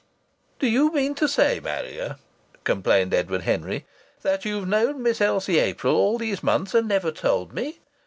"Do you mean to say, Marrier," complained Edward Henry, "that you've known Miss Elsie April all these months and never told me?...